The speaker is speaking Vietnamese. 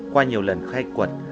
qua nhiều lần khai quật